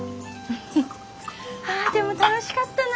フフあでも楽しかったな。